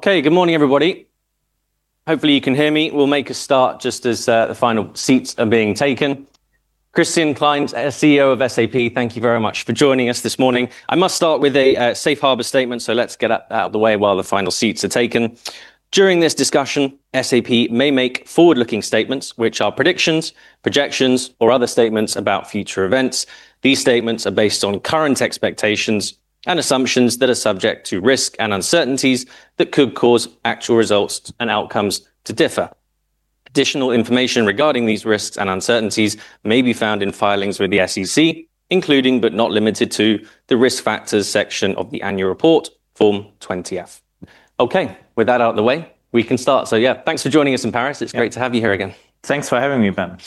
Good morning, everybody. Hopefully, you can hear me. We'll make a start just as the final seats are being taken. Christian Klein, CEO of SAP, thank you very much for joining us this morning. I must start with a safe harbor statement, let's get that out of the way while the final seats are taken. During this discussion, SAP may make forward-looking statements, which are predictions, projections, or other statements about future events. These statements are based on current expectations and assumptions that are subject to risk and uncertainties that could cause actual results and outcomes to differ. Additional information regarding these risks and uncertainties may be found in filings with the SEC, including but not limited to the Risk Factors section of the annual report, Form 20-F. With that out of the way, we can start. Yeah, thanks for joining us in Paris. It's great to have you here again. Thanks for having me, Ben.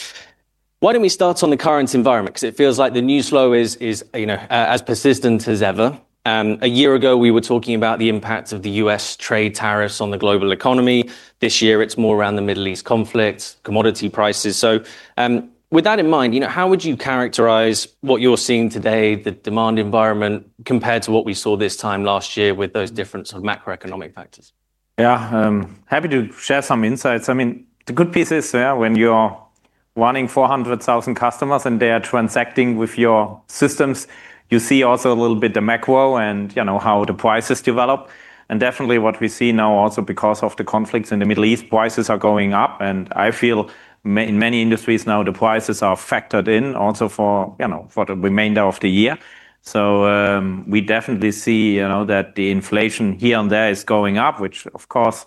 Why don't we start on the current environment? It feels like the news flow is as persistent as ever. A year ago, we were talking about the impact of the U.S. trade tariffs on the global economy. This year, it's more around the Middle East conflict, commodity prices. With that in mind, how would you characterize what you're seeing today, the demand environment, compared to what we saw this time last year with those different sort of macroeconomic factors? Yeah. Happy to share some insights. The good piece is when you're running 400,000 customers and they are transacting with your systems, you see also a little bit the macro and how the prices develop. Definitely what we see now also because of the conflicts in the Middle East, prices are going up, and I feel in many industries now the prices are factored in also for the remainder of the year. We definitely see that the inflation here and there is going up, which of course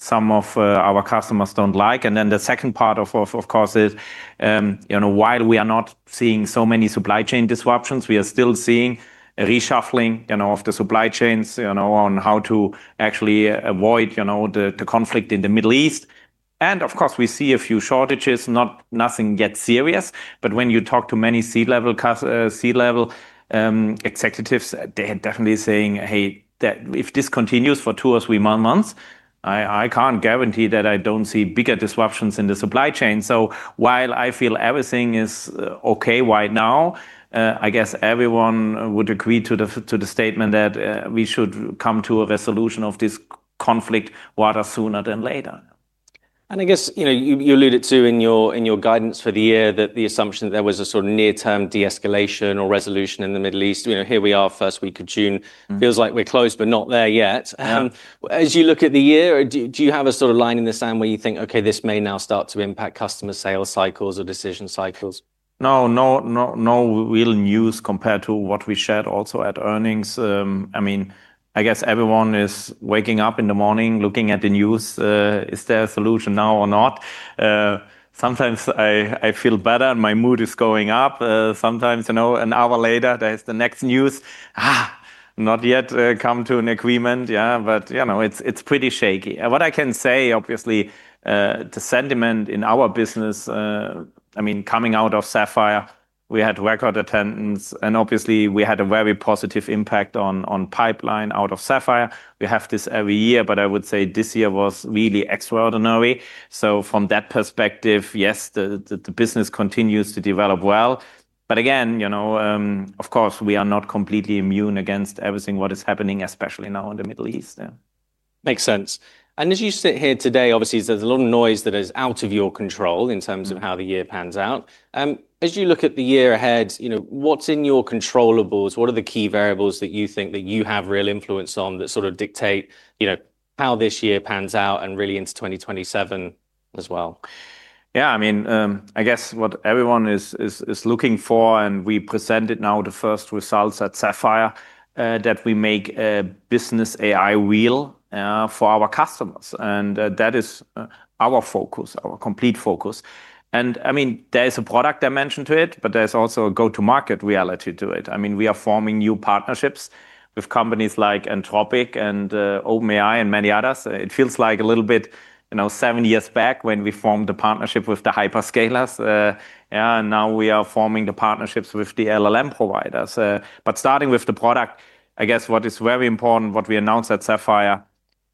some of our customers don't like. The second part, of course, is while we are not seeing so many supply chain disruptions, we are still seeing reshuffling of the supply chains on how to actually avoid the conflict in the Middle East. Of course, we see a few shortages, nothing yet serious, but when you talk to many C-level executives, they are definitely saying, "Hey, if this continues for two or three months, I can't guarantee that I don't see bigger disruptions in the supply chain." While I feel everything is okay right now, I guess everyone would agree to the statement that we should come to a resolution of this conflict rather sooner than later. I guess you alluded to in your guidance for the year that the assumption that there was a sort of near-term de-escalation or resolution in the Middle East. Here we are, first week of June. Feels like we're close, but not there yet. Yeah. As you look at the year, do you have a sort of line in the sand where you think, "Okay, this may now start to impact customer sales cycles or decision cycles? No real news compared to what we shared also at earnings. I guess everyone is waking up in the morning, looking at the news. Is there a solution now or not? Sometimes I feel better and my mood is going up. Sometimes an hour later, there is the next news. Not yet come to an agreement. It's pretty shaky. What I can say, obviously, the sentiment in our business, coming out of Sapphire, we had record attendance, and obviously we had a very positive impact on pipeline out of Sapphire. We have this every year, I would say this year was really extraordinary. From that perspective, yes, the business continues to develop well. Again, of course, we are not completely immune against everything, what is happening, especially now in the Middle East. Makes sense. As you sit here today, obviously, there's a lot of noise that is out of your control in terms of how the year pans out. As you look at the year ahead, what's in your controllables? What are the key variables that you think that you have real influence on that sort of dictate how this year pans out and really into 2027 as well? I guess what everyone is looking for, and we presented now the first results at Sapphire, that we make business AI real for our customers. That is our focus, our complete focus. There is a product dimension to it, but there's also a go-to-market reality to it. We are forming new partnerships with companies like Anthropic and OpenAI and many others. It feels like a little bit seven years back when we formed the partnership with the hyperscalers, and now we are forming the partnerships with the LLM providers. Starting with the product, I guess what is very important, what we announced at Sapphire,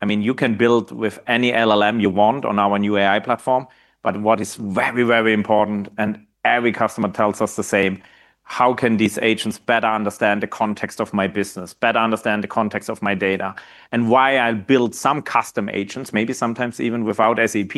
you can build with any LLM you want on our new AI platform, what is very, very important, and every customer tells us the same, how can these agents better understand the context of my business, better understand the context of my data? Why I build some custom agents, maybe sometimes even without SAP,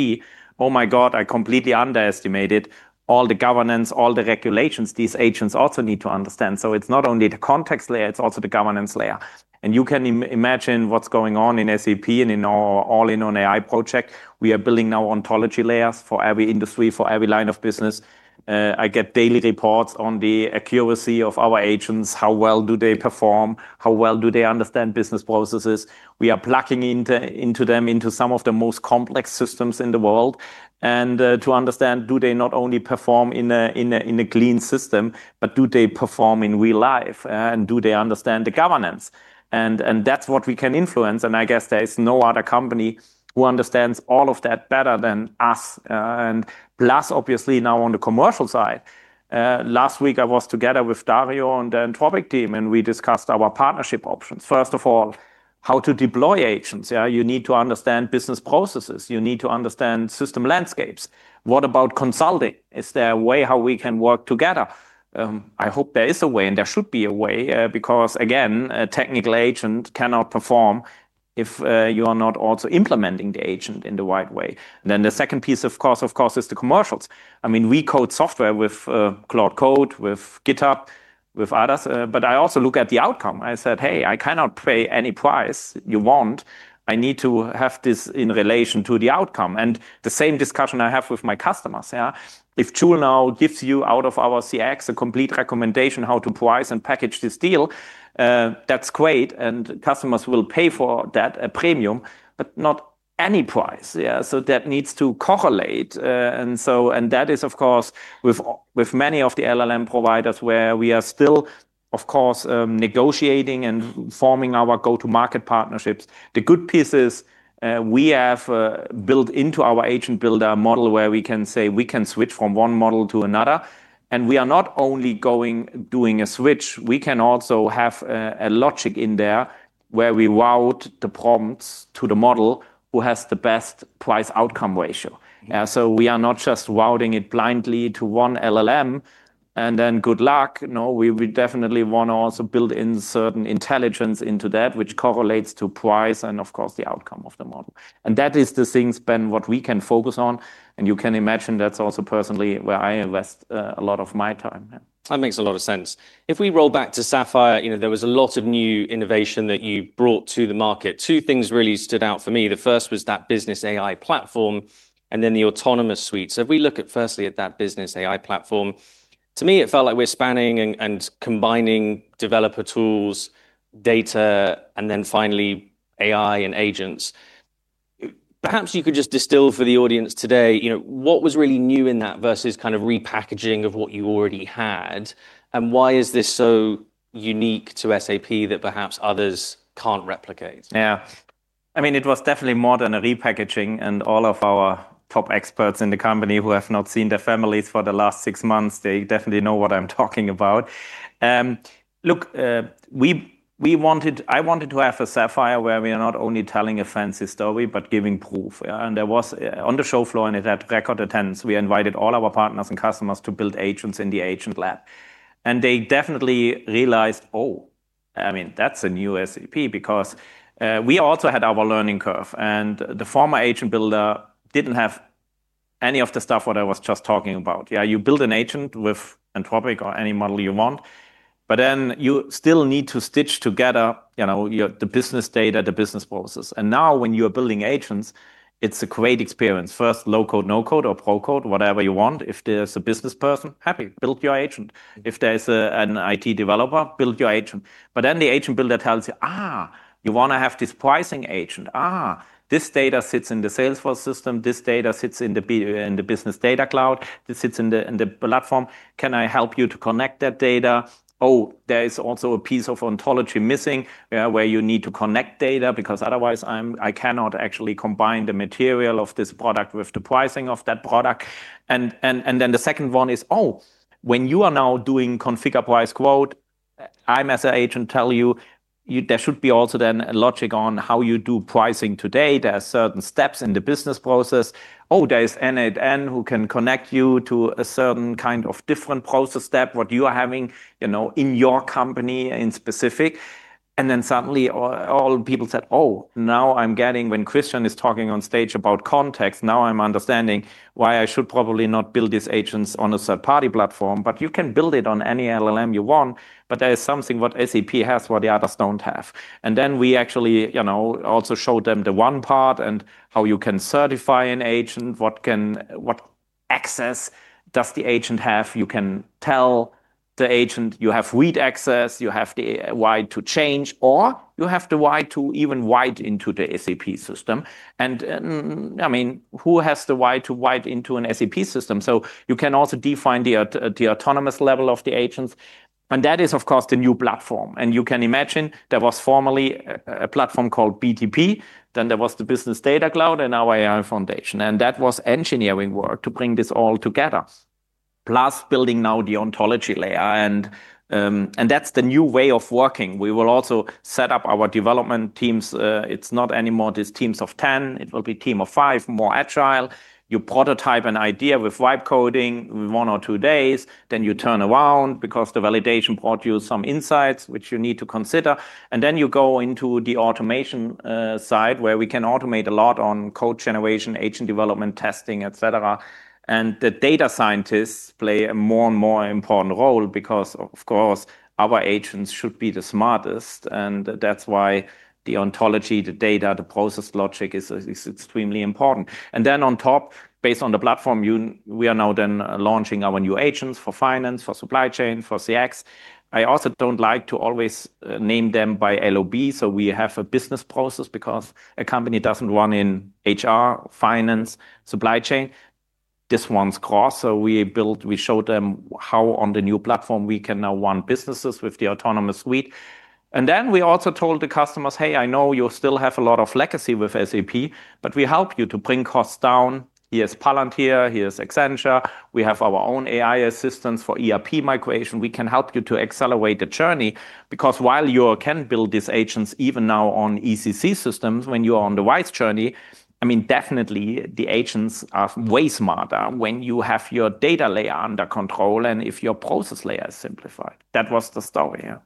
oh my god, I completely underestimated all the governance, all the regulations these agents also need to understand. It's not only the context layer, it's also the governance layer. You can imagine what's going on in SAP and in our all-in-on AI project. We are building now ontology layers for every industry, for every line of business. I get daily reports on the accuracy of our agents, how well do they perform, how well do they understand business processes. We are plugging into them into some of the most complex systems in the world. To understand, do they not only perform in a clean system, but do they perform in real life, and do they understand the governance? That's what we can influence, and I guess there is no other company who understands all of that better than us. Plus, obviously now on the commercial side, last week I was together with Dario on the Anthropic team, and we discussed our partnership options. First of all, how to deploy agents. You need to understand business processes. You need to understand system landscapes. What about consulting? Is there a way how we can work together? I hope there is a way, and there should be a way, because again, a technical agent cannot perform if you are not also implementing the agent in the right way. The second piece, of course, is the commercials. We code software with Claude Code, with GitHub, with others, but I also look at the outcome. I said, "Hey, I cannot pay any price you want. I need to have this in relation to the outcome." The same discussion I have with my customers. Yeah. If Joule now gives you out of our CX a complete recommendation how to price and package this deal, that's great, and customers will pay for that, a premium, but not any price. Yeah. That needs to correlate. That is, of course, with many of the LLM providers, where we are still, of course, negotiating and forming our go-to-market partnerships. The good piece is we have built into our agent builder a model where we can say we can switch from one model to another. We are not only doing a switch, we can also have a logic in there where we route the prompts to the model who has the best price-outcome ratio. Yeah. We are not just routing it blindly to one LLM and then good luck. No, we definitely want to also build in certain intelligence into that which correlates to price and, of course, the outcome of the model. That is the things, Ben, what we can focus on, and you can imagine that's also personally where I invest a lot of my time. Yeah. That makes a lot of sense. We roll back to Sapphire, there was a lot of new innovation that you brought to the market. Two things really stood out for me. The first was that SAP Business AI Platform and then the Autonomous Suite. If we look at firstly at that Business AI Platform, to me it felt like we're spanning and combining developer tools, data, and then finally AI and agents. Perhaps you could just distill for the audience today, what was really new in that versus repackaging of what you already had, and why is this so unique to SAP that perhaps others can't replicate? Yeah. It was definitely more than a repackaging, and all of our top experts in the company who have not seen their families for the last six months, they definitely know what I'm talking about. Look, I wanted to have a Sapphire where we are not only telling a fancy story but giving proof. There was on the show floor and at that record attendance, we invited all our partners and customers to build agents in the Agent Lab. They definitely realized, "Oh, I mean, that's a new SAP," because we also had our learning curve, and the former agent builder didn't have any of the stuff what I was just talking about. Yeah, you build an agent with Anthropic or any model you want, you still need to stitch together the business data, the business processes. When you're building agents, it's a great experience. First low-code, no-code or pro code, whatever you want. If there's a business person, happy, build your agent. If there's an IT developer, build your agent. The agent builder tells you want to have this pricing agent. This data sits in the Salesforce system. This data sits in the Business Data Cloud. This sits in the platform. Can I help you to connect that data? There is also a piece of ontology missing where you need to connect data, because otherwise I cannot actually combine the material of this product with the pricing of that product. The second one is, when you are now doing Configure Price Quote, I as an agent tell you, there should be also then a logic on how you do pricing today. There are certain steps in the business process. Oh, there's end-to-end who can connect you to a certain kind of different process step, what you are having in your company in specific. Suddenly all people said, "Oh, now I'm getting when Christian is talking on stage about context, now I'm understanding why I should probably not build these agents on a third-party platform." You can build it on any LLM you want, but there is something what SAP has, what the others don't have. We actually also showed them the one part and how you can certify an agent. What access does the agent have? You can tell the agent you have read access, you have the right to change, or you have the right to even write into the SAP system. I mean, who has the right to write into an SAP system? You can also define the autonomous level of the agents, and that is, of course, the new platform. You can imagine there was formerly a platform called BTP, then there was the Business Data Cloud and our AI foundation, and that was engineering work to bring this all together. Plus building now the ontology layer and that's the new way of working. We will also set up our development teams. It's not anymore these teams of 10. It will be team of five, more agile. You prototype an idea with vibe coding with one or two days, then you turn around because the validation brought you some insights which you need to consider. Then you go into the automation side where we can automate a lot on code generation, agent development, testing, et cetera. The data scientists play a more and more important role because, of course, our agents should be the smartest, and that's why the ontology, the data, the process logic is extremely important. On top, based on the platform, we are now then launching our new agents for finance, for supply chain, for CX. I also don't like to always name them by LOB, so we have a business process because a company doesn't run in HR, finance, supply chain. This one's core. We showed them how on the new platform we can now run businesses with the autonomous suite. We also told the customers, "Hey, I know you still have a lot of legacy with SAP, but we help you to bring costs down. Here's Palantir, here's Accenture. We have our own AI assistants for ERP migration. We can help you to accelerate the journey because while you can build these agents even now on ECC systems, when you are on the RISE journey, definitely the agents are way smarter when you have your data layer under control and if your process layer is simplified. That was the story. Yeah.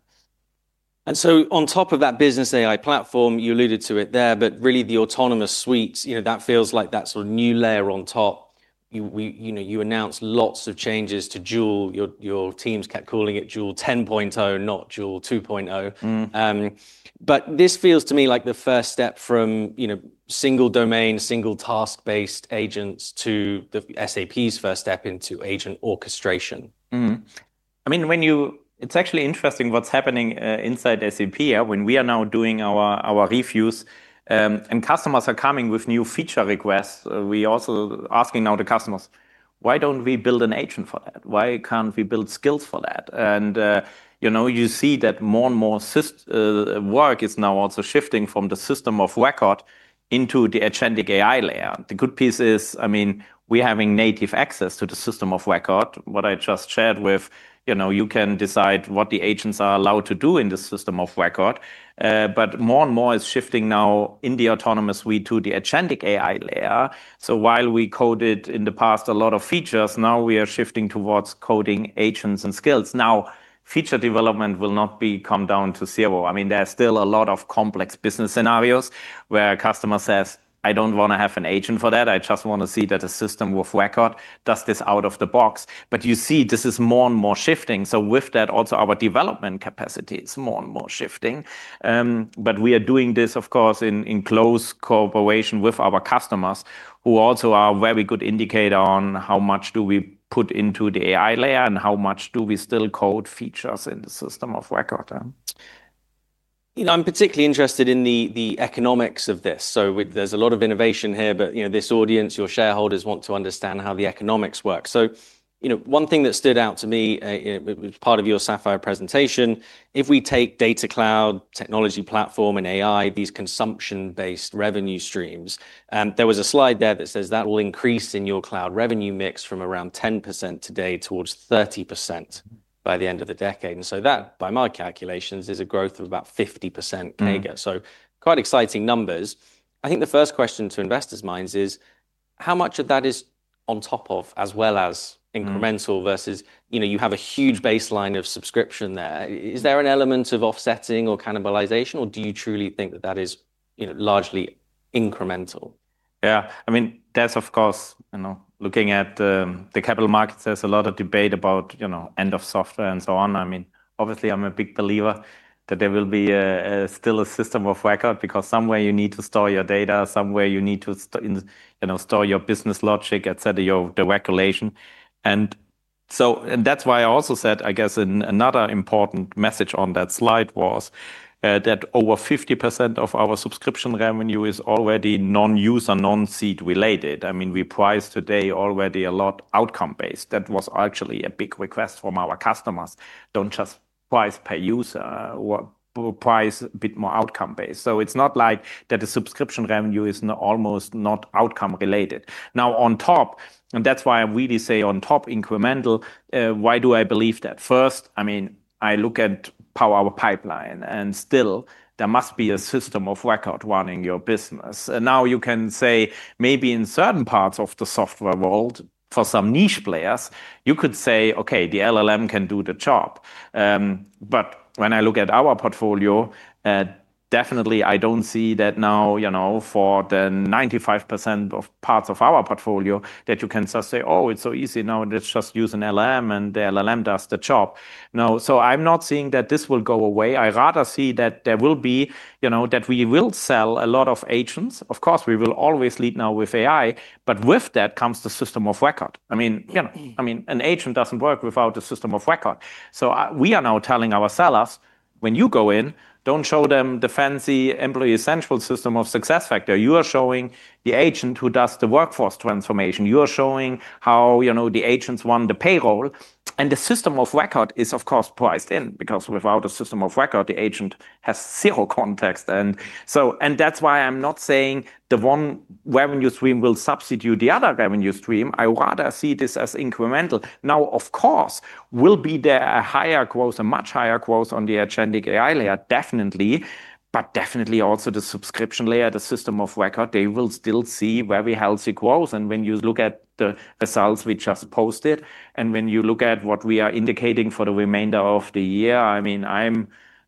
On top of that Business AI Platform, you alluded to it there, but really the Autonomous Suites, that feels like that sort of new layer on top. You announced lots of changes to Joule. Your teams kept calling it Joule 10.0, not Joule 2.0. This feels to me like the first step from single domain, single task-based agents to the SAP's first step into agent orchestration. It's actually interesting what's happening inside SAP. When we are now doing our reviews, and customers are coming with new feature requests, we also asking now the customers, "Why don't we build an agent for that? Why can't we build skills for that?" You see that more and more work is now also shifting from the system of record into the agentic AI layer. The good piece is, we're having native access to the system of record. What I just shared with you can decide what the agents are allowed to do in the system of record. More and more is shifting now in the Autonomous Suite to the agentic AI layer. While we coded, in the past, a lot of features, now we are shifting towards coding agents and skills. Feature development will not be come down to zero. There are still a lot of complex business scenarios where a customer says, "I don't want to have an agent for that. I just want to see that a system of record does this out of the box." You see this is more and more shifting. With that, also our development capacity is more and more shifting. We are doing this, of course, in close cooperation with our customers, who also are very good indicator on how much do we put into the AI layer and how much do we still code features in the system of record. I'm particularly interested in the economics of this. There's a lot of innovation here, but this audience, your shareholders, want to understand how the economics work. One thing that stood out to me, it was part of your Sapphire presentation. If we take Data Cloud, technology platform, and AI, these consumption-based revenue streams, there was a slide there that says that will increase in your cloud revenue mix from around 10% today towards 30% by the end of the decade. That, by my calculations, is a growth of about 50% CAGR. Quite exciting numbers. I think the first question to investors' minds is how much of that is on top of, as well as incremental versus you have a huge baseline of subscription there. Is there an element of offsetting or cannibalization, or do you truly think that that is largely incremental? Yeah. There's, of course, looking at the capital markets, there's a lot of debate about end of software and so on. Obviously, I'm a big believer that there will be still a system of record because somewhere you need to store your data, somewhere you need to store your business logic, et cetera, the regulation. That's why I also said, I guess another important message on that slide was that over 50% of our subscription revenue is already non-user, non-seed related. We price today already a lot outcome based. That was actually a big request from our customers. Don't just price per user, price a bit more outcome based. It's not like that the subscription revenue is almost not outcome related. Now, on top, and that's why I really say on top incremental, why do I believe that? First, I look at our pipeline. Still there must be a system of record running your business. Now you can say maybe in certain parts of the software world, for some niche players, you could say, "Okay, the LLM can do the job." When I look at our portfolio, definitely I don't see that now for the 95% of parts of our portfolio that you can just say, "Oh, it's so easy now. Let's just use an LLM, and the LLM does the job." No. I'm not seeing that this will go away. I rather see that we will sell a lot of agents. Of course, we will always lead now with AI, but with that comes the system of record. An agent doesn't work without a system of record. We are now telling our sellers, "When you go in, don't show them the fancy Employee Central system of SuccessFactors. You are showing the agent who does the workforce transformation. You are showing how the agents run the payroll." The system of record is, of course, priced in because without a system of record, the agent has zero context. That's why I'm not saying the one revenue stream will substitute the other revenue stream. I rather see this as incremental. Of course, will be there a higher growth, a much higher growth on the agentic AI layer? Definitely. Definitely also the subscription layer, the system of record, they will still see very healthy growth. When you look at the results we just posted and when you look at what we are indicating for the remainder of the year,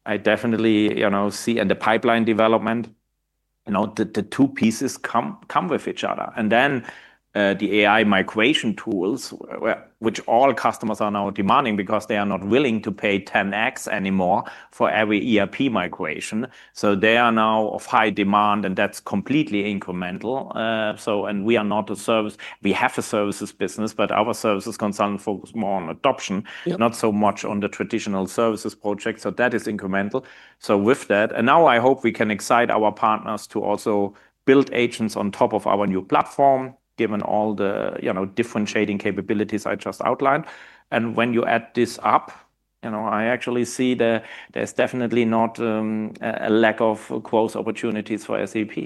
I definitely see, and the pipeline development, the two pieces come with each other. Then, the AI migration tools, which all customers are now demanding because they are not willing to pay 10x anymore for every ERP migration. They are now of high demand, and that's completely incremental. We are not a service. We have a services business, but our services concern focus more on adoption. Yeah not so much on the traditional services project. That is incremental. With that, and now I hope we can excite our partners to also build agents on top of our new platform, given all the differentiating capabilities I just outlined. When you add this up, I actually see there's definitely not a lack of growth opportunities for SAP.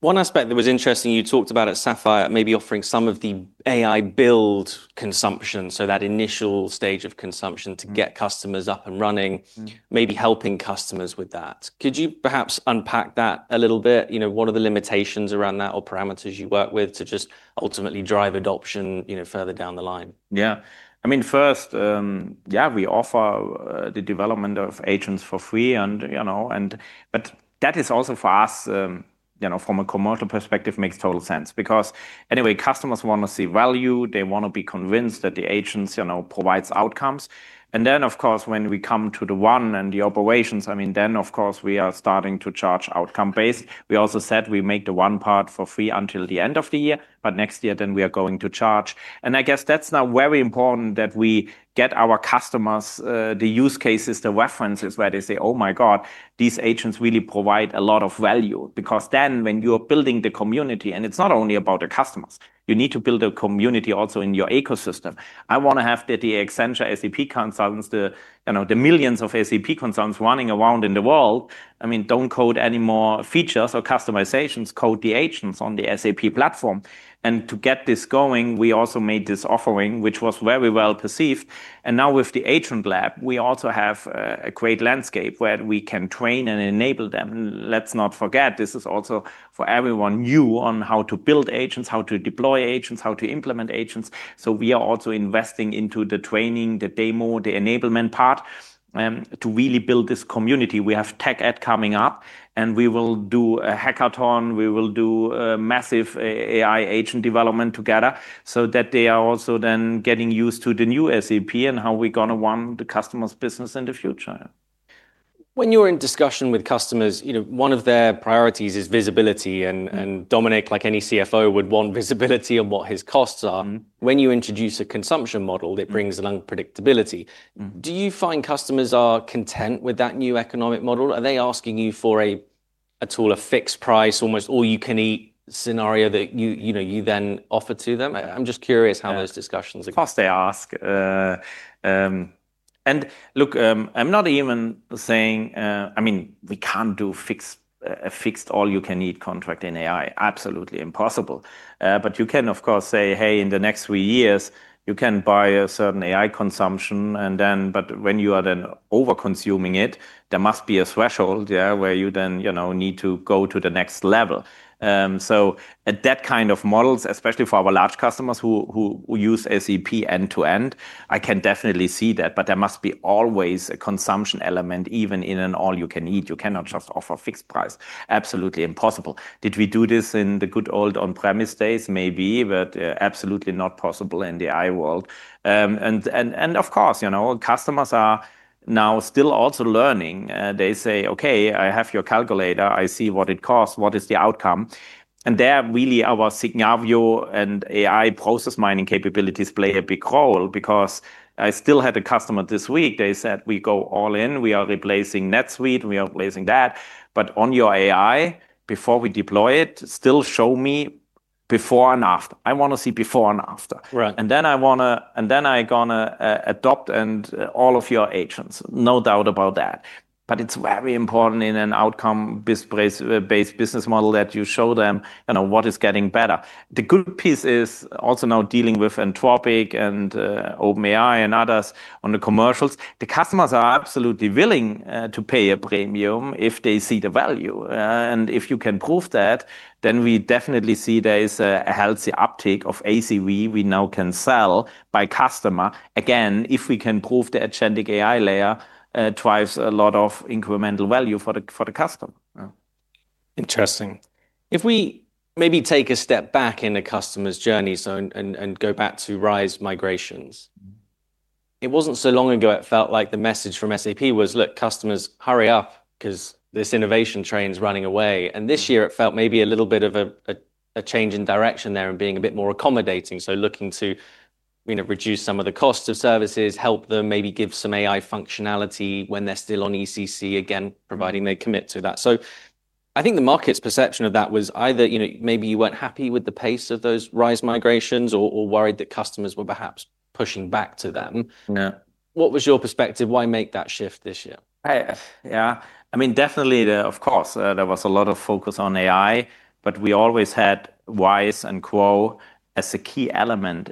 One aspect that was interesting you talked about at Sapphire, maybe offering some of the AI build consumption, so that initial stage of consumption to get customers up and running, maybe helping customers with that. Could you perhaps unpack that a little bit? What are the limitations around that or parameters you work with to just ultimately drive adoption further down the line? First, yeah, we offer the development of agents for free, but that is also, for us from a commercial perspective, makes total sense. Anyway, customers want to see value. They want to be convinced that the agents provide outcomes. Then, of course, when we come to the one and the operations, then, of course, we are starting to charge outcome-based. We also said we make the one part for free until the end of the year, next year, we are going to charge. I guess that's now very important that we get our customers, the use cases, the references where they say, "Oh my god, these agents really provide a lot of value." When you are building the community, and it's not only about the customers, you need to build a community also in your ecosystem. I want to have the Accenture SAP consultants, the millions of SAP consultants running around in the world. Don't code any more features or customizations, code the agents on the SAP platform. To get this going, we also made this offering, which was very well perceived. Now with the Agent Lab, we also have a great landscape where we can train and enable them. Let's not forget, this is also for everyone new on how to build agents, how to deploy agents, how to implement agents. We are also investing into the training, the demo, the enablement part, to really build this community. We have TechEd coming up, and we will do a hackathon, we will do a massive AI agent development together so that they are also then getting used to the new SAP and how we're going to run the customer's business in the future. When you're in discussion with customers, one of their priorities is visibility, and Dominik, like any CFO, would want visibility on what his costs are. When you introduce a consumption model, it brings an unpredictability. Do you find customers are content with that new economic model? Are they asking you for at all a fixed price, almost all-you-can-eat scenario that you then offer to them? I'm just curious how those discussions are going. Of course, they ask. Look, I'm not even saying we can't do a fixed all-you-can-eat contract in AI. Absolutely impossible. You can, of course, say, "Hey, in the next three years, you can buy a certain AI consumption." When you are then overconsuming it, there must be a threshold, yeah, where you then need to go to the next level. At that kind of models, especially for our large customers who use SAP end-to-end, I can definitely see that, but there must be always a consumption element, even in an all-you-can-eat. You cannot just offer fixed price. Absolutely impossible. Did we do this in the good old on-premise days? Maybe, but absolutely not possible in the AI world. Of course, customers are now still also learning. They say, "Okay, I have your calculator. I see what it costs. What is the outcome?" There, really, our Signavio and AI process mining capabilities play a big role because I still had a customer this week, they said, "We go all in. We are replacing NetSuite, we are replacing that. On your AI, before we deploy it, still show me before and after. I want to see before and after. Right. I going to adopt all of your agents. No doubt about that. It's very important in an outcome-based business model that you show them what is getting better. The good piece is also now dealing with Anthropic and OpenAI, and others on the commercials. The customers are absolutely willing to pay a premium if they see the value. If you can prove that, we definitely see there is a healthy uptake of ACV we now can sell by customer. Again, if we can prove the agentic AI layer, drives a lot of incremental value for the customer. Yeah. Interesting. If we maybe take a step back in the customer's journey and go back to RISE migrations. It wasn't so long ago it felt like the message from SAP was, "Look, customers, hurry up because this innovation train's running away." This year, it felt maybe a little bit of a change in direction there and being a bit more accommodating. Looking to reduce some of the costs of services, help them maybe give some AI functionality when they're still on ECC, again, providing they commit to that. I think the market's perception of that was either maybe you weren't happy with the pace of those RISE migrations or worried that customers were perhaps pushing back to them. Yeah. What was your perspective? Why make that shift this year? Yeah. Definitely, of course, there was a lot of focus on AI, but we always had RISE & Co. as a key element.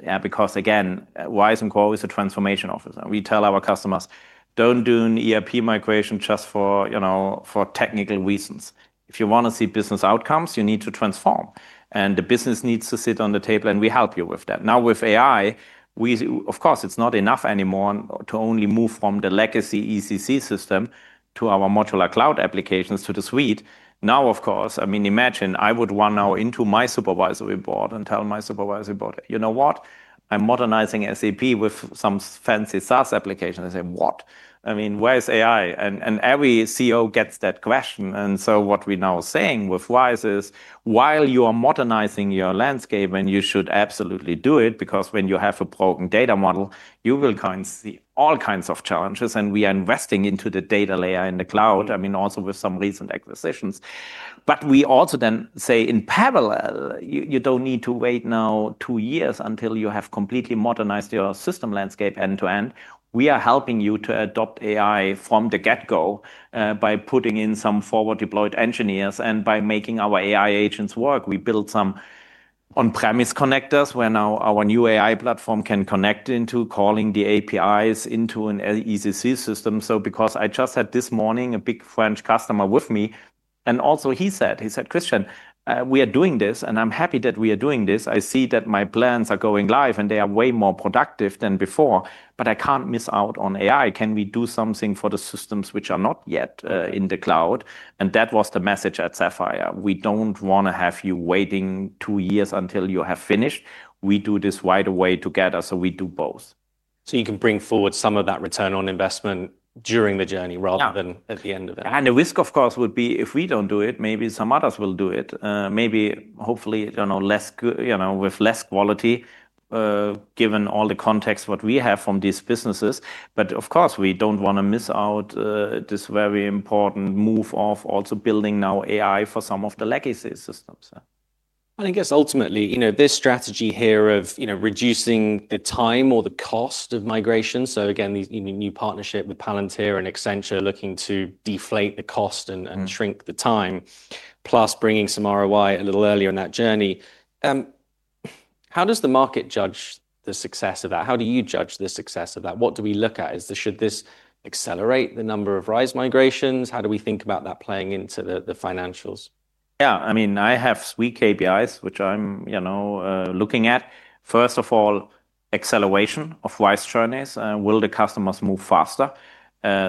Again, RISE & Co. is a transformation office. We tell our customers, "Don't do an ERP migration just for technical reasons. If you want to see business outcomes, you need to transform, and the business needs to sit on the table, and we help you with that." Now with AI, of course, it's not enough anymore to only move from the legacy ECC system to our modular cloud applications to the suite. Now, of course, imagine I would run now into my supervisory board and tell my supervisory board, "You know what? I'm modernizing SAP with some fancy SaaS application." They'd say, "What? Where is AI?" Every CEO gets that question. What we're now saying with RISE is, while you are modernizing your landscape, and you should absolutely do it, because when you have a broken data model, you will see all kinds of challenges, and we are investing into the data layer in the cloud, also with some recent acquisitions. We also then say, in parallel, you don't need to wait now two years until you have completely modernized your system landscape end to end. We are helping you to adopt AI from the get-go, by putting in some forward deployed engineers and by making our AI agents work. We build some on-premise connectors where now our new AI platform can connect into calling the APIs into an ECC system. Because I just had this morning a big French customer with me. Also, he said, "Christian, we are doing this and I'm happy that we are doing this. I see that my plans are going live and they are way more productive than before, but I can't miss out on AI. Can we do something for the systems which are not yet in the cloud?" That was the message at Sapphire. We don't want to have you waiting two years until you have finished. We do this right away together, so we do both. You can bring forward some of that return on investment during the journey rather than at the end of it. Yeah. The risk, of course, would be if we don't do it, maybe some others will do it. Maybe, hopefully, with less quality, given all the context, what we have from these businesses, but of course, we don't want to miss out this very important move of also building now AI for some of the legacy systems. I guess ultimately, this strategy here of reducing the time or the cost of migration. Again, this new partnership with Palantir and Accenture looking to deflate the cost and shrink the time, plus bringing some ROI a little earlier in that journey. How does the market judge the success of that? How do you judge the success of that? What do we look at? Should this accelerate the number of RISE migrations? How do we think about that playing into the financials? I have three KPIs, which I'm looking at. First of all, acceleration of RISE journeys. Will the customers move faster?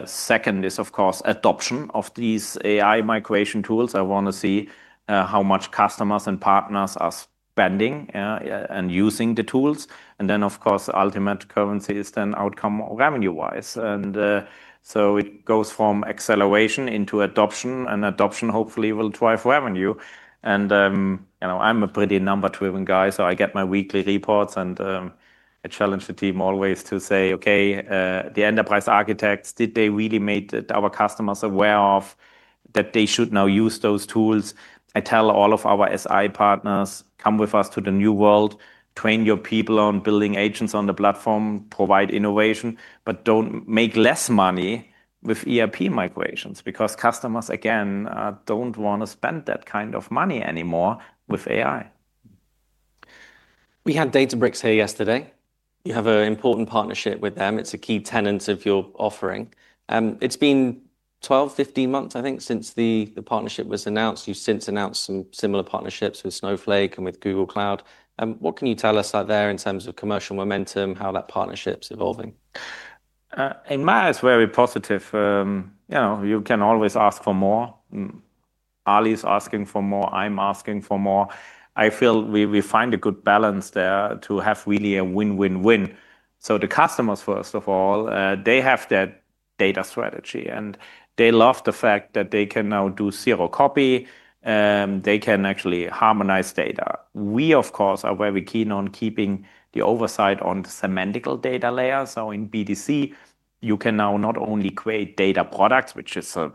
Second is, of course, adoption of these AI migration tools. I want to see how much customers and partners are spending and using the tools. Of course, ultimate currency is then outcome revenue-wise. It goes from acceleration into adoption. Adoption hopefully will drive revenue. I'm a pretty number-driven guy, so I get my weekly reports, and I challenge the team always to say, "Okay, the enterprise architects, did they really make our customers aware of that they should now use those tools?" I tell all of our SI partners, "Come with us to the new world. Train your people on building agents on the platform, provide innovation, but don't make less money with ERP migrations. Customers, again, don't want to spend that kind of money anymore with AI. We had Databricks here yesterday. You have an important partnership with them. It's a key tenet of your offering. It's been 12, 15 months, I think, since the partnership was announced. You've since announced some similar partnerships with Snowflake and with Google Cloud. What can you tell us out there in terms of commercial momentum, how that partnership's evolving? In my eyes, very positive. You can always ask for more. Ali's asking for more, I'm asking for more. I feel we find a good balance there to have really a win-win-win. The customers, first of all, they have that data strategy, and they love the fact that they can now do zero copy, they can actually harmonize data. We, of course, are very keen on keeping the oversight on the semantical data layer. In BDC, you can now not only create data products, which is a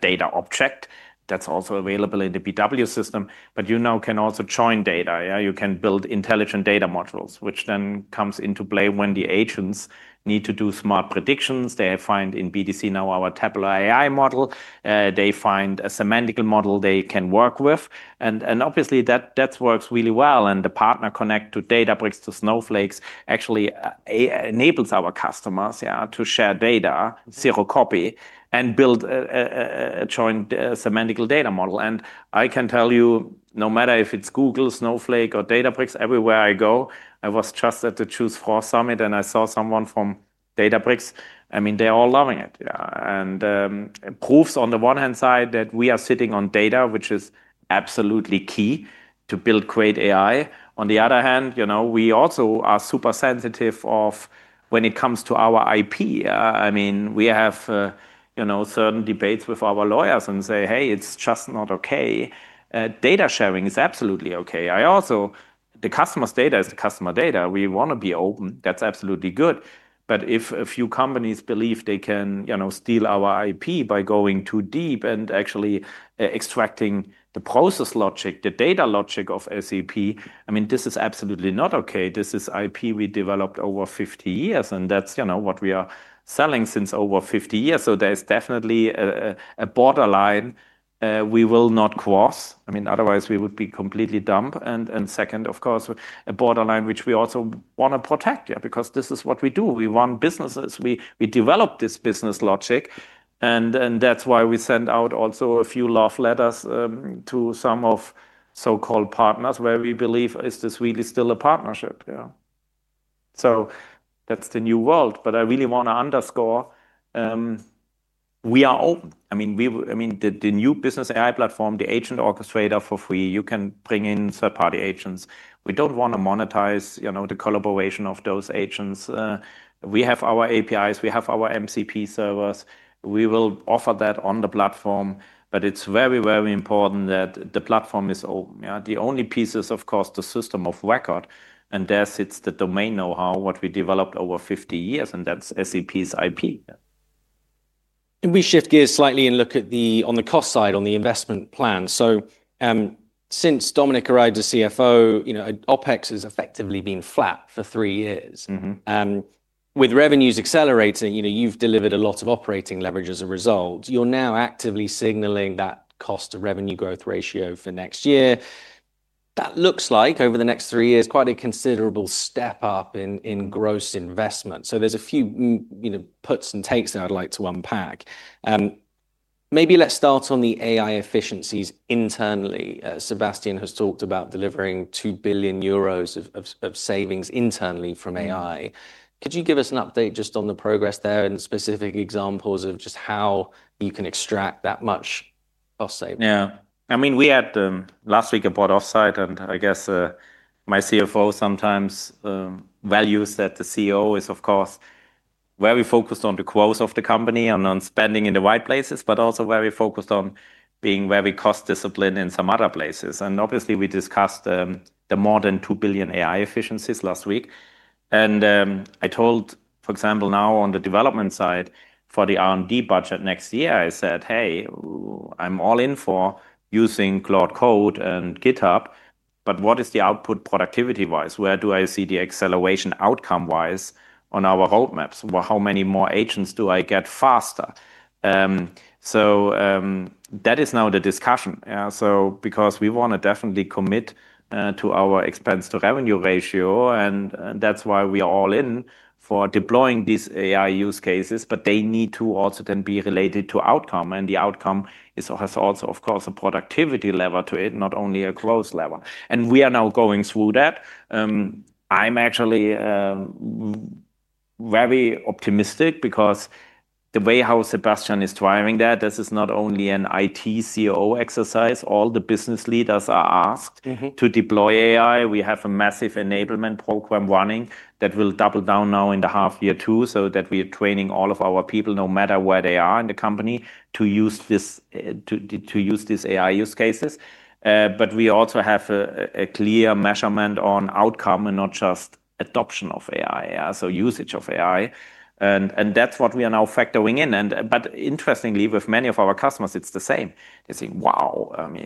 data object that's also available in the BW system, but you now can also join data. You can build intelligent data modules, which then comes into play when the agents need to do smart predictions. They find in BDC now our tabular AI model. They find a semantical model they can work with. Obviously that works really well. The partner connect to Databricks, to Snowflake, actually enables our customers to share data, zero copy, and build a joint semantical data model. I can tell you, no matter if it's Google, Snowflake, or Databricks, everywhere I go, I was just at the Choose France Summit, and I saw someone from Databricks. They're all loving it. Yeah. Proves on the one hand side that we are sitting on data, which is absolutely key to build great AI. On the other hand, we also are super sensitive of when it comes to our IP. We have certain debates with our lawyers and say, "Hey, it's just not okay." Data sharing is absolutely okay. The customer's data is the customer data. We want to be open. That's absolutely good. If a few companies believe they can steal our IP by going too deep and actually extracting the process logic, the data logic of SAP, this is absolutely not okay. This is IP we developed over 50 years, and that's what we are selling since over 50 years. There's definitely a borderline we will not cross. Otherwise, we would be completely dumb. Second, of course, a borderline which we also want to protect. Yeah. Because this is what we do. We run businesses. We develop this business logic, and that's why we send out also a few love letters to some of so-called partners where we believe, is this really still a partnership? That's the new world. I really want to underscore, we are open. The new Business AI Platform, the agent orchestrator for free, you can bring in third-party agents. We don't want to monetize the collaboration of those agents. We have our APIs, we have our MCP servers. We will offer that on the platform, but it's very, very important that the platform is open. The only piece is, of course, the system of record, and there sits the domain know-how, what we developed over 50 years, and that's SAP's IP. Can we shift gears slightly and look at on the cost side, on the investment plan? Since Dominik arrived as CFO, OpEx has effectively been flat for three years. With revenues accelerating, you've delivered a lot of operating leverage as a result. You're now actively signaling that cost to revenue growth ratio for next year. That looks like over the next three years, quite a considerable step up in gross investment. There's a few puts and takes that I'd like to unpack. Maybe let's start on the AI efficiencies internally. Sebastian has talked about delivering 2 billion euros of savings internally from AI. Could you give us an update just on the progress there and specific examples of just how you can extract that much cost savings? Yeah. We had, last week, a board offsite, and I guess my CFO sometimes values that the CEO is, of course, very focused on the growth of the company and on spending in the right places, but also very focused on being very cost-disciplined in some other places. Obviously, we discussed the more than 2 billion AI efficiencies last week. I told, for example, now on the development side for the R&D budget next year, I said, "Hey, I'm all in for using Claude Code and GitHub, but what is the output productivity-wise? Where do I see the acceleration outcome-wise on our roadmaps? How many more agents do I get faster?" That is now the discussion. We want to definitely commit to our expense-to-revenue ratio, that's why we are all in for deploying these AI use cases, they need to also then be related to outcome. The outcome has also, of course, a productivity level to it, not only a growth level. We are now going through that. I'm actually very optimistic because the way how Sebastian is driving that, this is not only an IT CO exercise. All the business leaders are asked. to deploy AI. We have a massive enablement program running that will double down now into half year two, so that we are training all of our people, no matter where they are in the company, to use these AI use cases. We also have a clear measurement on outcome and not just adoption of AI, so usage of AI. That's what we are now factoring in. Interestingly, with many of our customers, it's the same. They're saying, "Wow,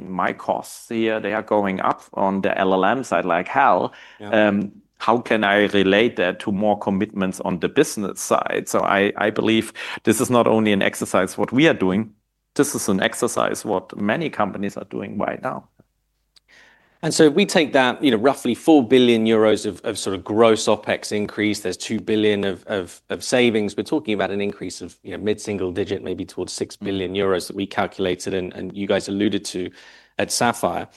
my costs here, they are going up on the LLM side like hell. Yeah. How can I relate that to more commitments on the business side?" I believe this is not only an exercise what we are doing, this is an exercise what many companies are doing right now. We take that roughly 4 billion euros of sort of gross OpEx increase. There's 2 billion of savings. We're talking about an increase of mid-single digit, maybe towards 6 billion euros that we calculated and you guys alluded to at Sapphire.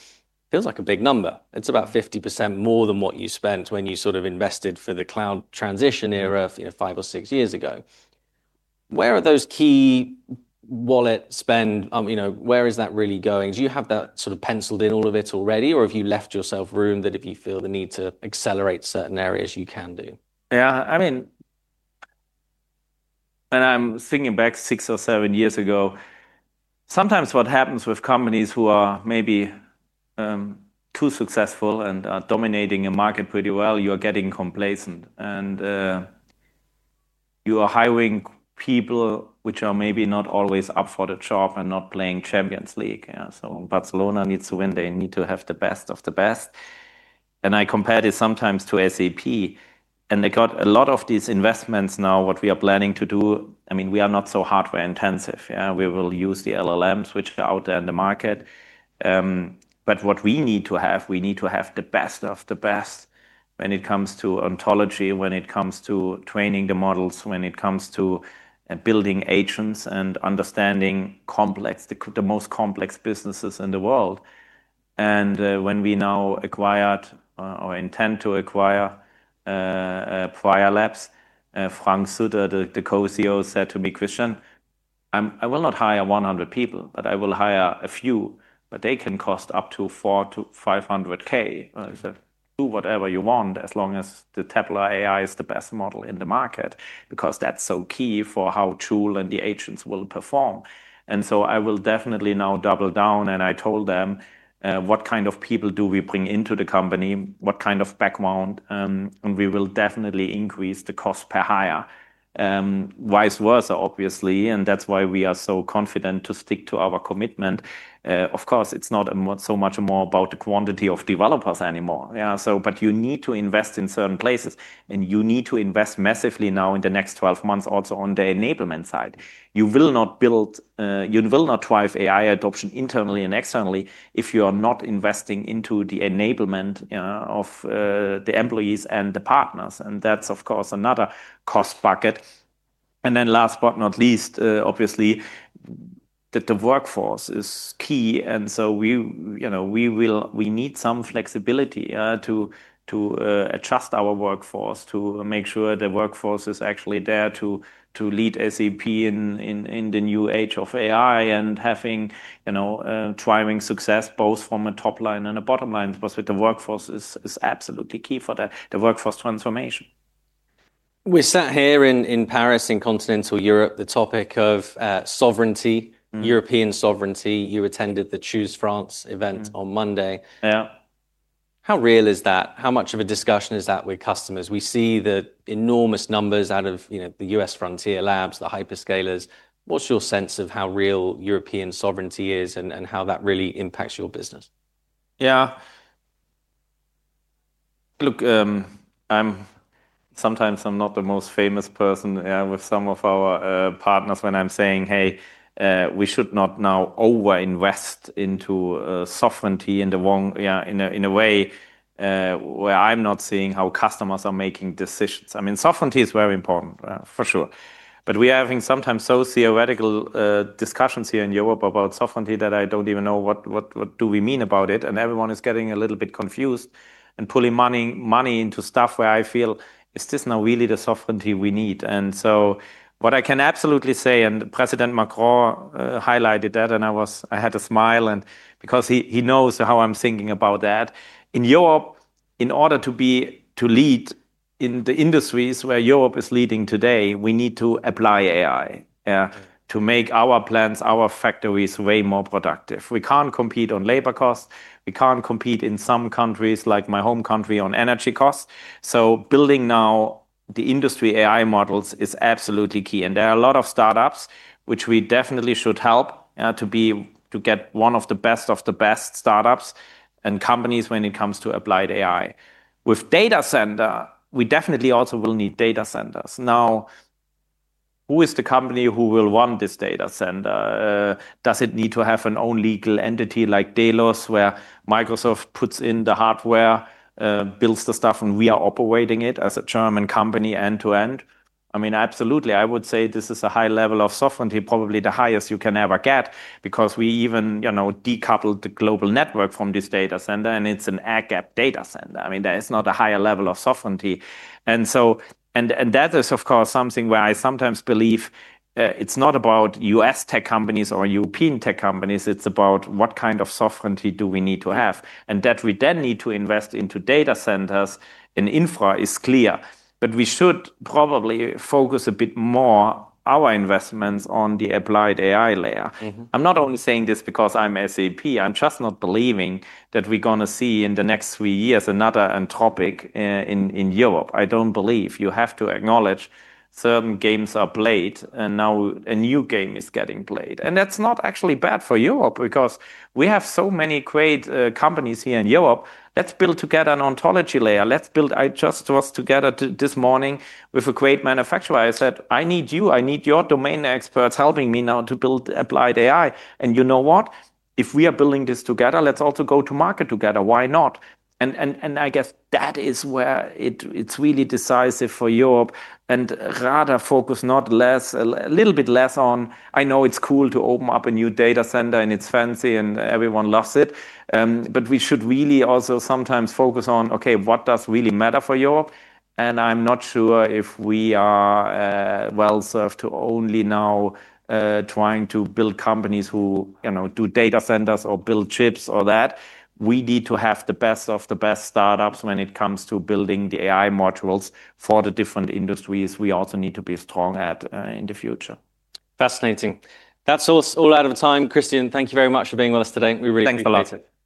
Feels like a big number. It's about 50% more than what you spent when you sort of invested for the cloud transition era five or six years ago. Where are those key wallet spend, where is that really going? Do you have that sort of penciled in a little bit already, or have you left yourself room that if you feel the need to accelerate certain areas, you can do? Yeah. I'm thinking back six or seven years ago. Sometimes what happens with companies who are maybe too successful and are dominating a market pretty well, you're getting complacent. You are hiring people which are maybe not always up for the job and not playing Champions League. Barcelona needs to win. They need to have the best of the best. I compare this sometimes to SAP, and they got a lot of these investments now, what we are planning to do. We are not so hardware intensive. We will use the LLMs which are out there in the market. What we need to have, we need to have the best of the best when it comes to ontology, when it comes to training the models, when it comes to building agents and understanding the most complex businesses in the world. When we now acquired, or intend to acquire, Prior Labs, Frank Hutter, the co-CEO, said to me, "Christian, I will not hire 100 people, but I will hire a few, but they can cost up to 400,000-500,000." I said, "Do whatever you want, as long as the Tabular AI is the best model in the market," because that's so key for how Joule and the agents will perform. I will definitely now double down, and I told them, what kind of people do we bring into the company, what kind of background, and we will definitely increase the cost per hire. Vice versa, obviously, that's why we are so confident to stick to our commitment. Of course, it's not so much more about the quantity of developers anymore. You need to invest in certain places, and you need to invest massively now in the next 12 months also on the enablement side. You will not drive AI adoption internally and externally if you are not investing into the enablement of the employees and the partners. That's, of course, another cost bucket. Last but not least, obviously, that the workforce is key. We need some flexibility to adjust our workforce, to make sure the workforce is actually there to lead SAP in the new age of AI and having thriving success both from a top line and a bottom line perspective. Workforce is absolutely key for the workforce transformation. We're sat here in Paris, in continental Europe, the topic of sovereignty. European sovereignty. You attended the Choose France event on Monday. Yeah. How real is that? How much of a discussion is that with customers? We see the enormous numbers out of the U.S. frontier labs, the hyperscalers. What's your sense of how real European sovereignty is and how that really impacts your business? Yeah. Look, sometimes I'm not the most famous person with some of our partners when I'm saying, "Hey, we should not now over-invest into sovereignty in a way where I'm not seeing how customers are making decisions." Sovereignty is very important, for sure, but we are having sometimes so theoretical discussions here in Europe about sovereignty that I don't even know what do we mean about it, and everyone is getting a little bit confused and putting money into stuff where I feel it's just not really the sovereignty we need. What I can absolutely say, and President Macron highlighted that and I had to smile because he knows how I'm thinking about that. In Europe, in order to lead in the industries where Europe is leading today, we need to apply AI to make our plants, our factories way more productive. We can't compete on labor costs. We can't compete in some countries, like my home country, on energy costs. Building now the industry AI models is absolutely key, and there are a lot of startups which we definitely should help to get one of the best of the best startups and companies when it comes to applied AI. With data center, we definitely also will need data centers. Who is the company who will run this data center? Does it need to have an own legal entity like Delos, where Microsoft puts in the hardware, builds the stuff, and we are operating it as a German company end to end? Absolutely, I would say this is a high level of sovereignty, probably the highest you can ever get, because we even decoupled the global network from this data center, and it's an air-gapped data center. There is not a higher level of sovereignty. That is, of course, something where I sometimes believe it's not about U.S. tech companies or European tech companies, it's about what kind of sovereignty do we need to have. That we then need to invest into data centers and infra is clear, but we should probably focus a bit more our investments on the applied AI layer. I am not only saying this because I am SAP. I am just not believing that we are going to see in the next three years another Anthropic in Europe. I do not believe. You have to acknowledge certain games are played, and now a new game is getting played. That is not actually bad for Europe because we have so many great companies here in Europe. Let us build together an ontology layer. I just was together this morning with a great manufacturer. I said, "I need you. I need your domain experts helping me now to build applied AI. You know what? If we are building this together, let us also go to market together. Why not?" I guess that is where it's really decisive for Europe and rather focus a little bit less on, "I know it's cool to open up a new data center and it's fancy and everyone loves it," but we should really also sometimes focus on, "Okay, what does really matter for Europe?" I'm not sure if we are well-served to only now trying to build companies who do data centers or build chips or that. We need to have the best of the best startups when it comes to building the AI modules for the different industries we also need to be strong at in the future. Fascinating. That's us all out of time. Christian, thank you very much for being with us today. We really appreciate it. Thanks a lot.